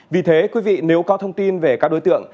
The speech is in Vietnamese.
vì thế nếu có thông tin về các đối tượng